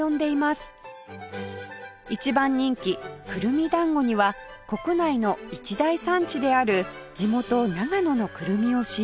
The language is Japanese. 一番人気くるみだんごには国内の一大産地である地元長野のくるみを使用